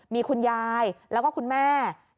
มีคุณยายแล้วก็คุณแม่